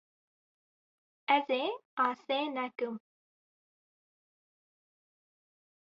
Ez ê asê nekim.